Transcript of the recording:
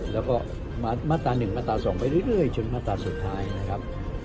แล้วก็มาตรา๑มาตรา๒ไปเรื่อยจนมาตราสุดท้ายนะครับ